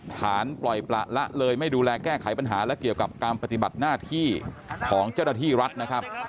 ฐานปล่อยประละเลยไม่ดูแลแก้ไขปัญหาและเกี่ยวกับการปฏิบัติหน้าที่ของเจ้าหน้าที่รัฐนะครับ